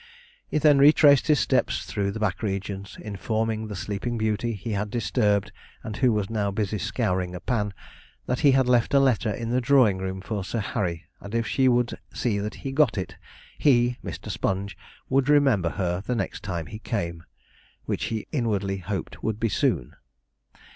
He then retraced his steps through the back regions, informing the sleeping beauty he had before disturbed, and who was now busy scouring a pan, that he had left a letter in the drawing room for Sir Harry, and if she would see that he got it, he (Mr. Sponge) would remember her the next time he came, which he inwardly hoped would be soon.